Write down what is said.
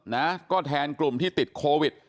นะก็แทนกลุ่มที่ติดโควิด